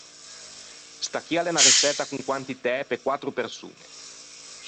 Sta chì a l’é unna reçetta con quantitæ pe quattro persoñe.